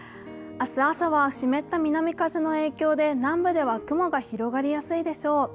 明日朝は湿った南風の影響で南部では雲が広がりやすいでしょう。